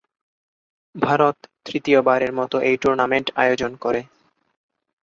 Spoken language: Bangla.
ভারত তৃতীয়বারের মতো এই টুর্নামেন্ট আয়োজন করে।